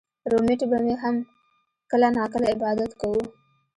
رومېټ به مې هم کله نا کله عبادت کوو